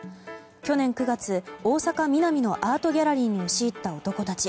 去年９月、大阪・ミナミのアートギャラリーに押し入った男たち。